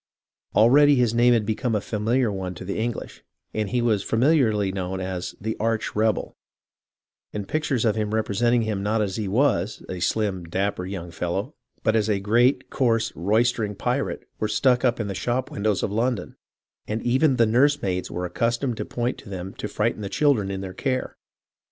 Already his name had become a familiar one to the English, and he was familiarly l62 HISTORY OF THE AMERICAN REVOLUTION known as "the Arch Rebel," and pictures of him represent ing him not as he was, a slim, clapper young fellow, but as a great, coarse, roistering pirate, were stuck up in the shop windows of London, and even the nurse maids were accus tomed to point to them to frighten the children in their care.